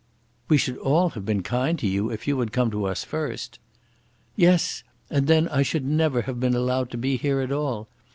"We should all have been kind to you if you had come to us first." "Yes; and then I should never have been allowed to be here at all.